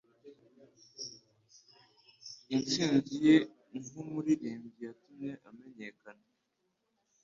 Intsinzi ye nkumuririmbyi yatumye amenyekana.